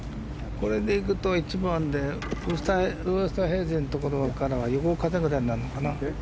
これでいくと、１番でウーストヘイゼンのところからは横風になるのかな。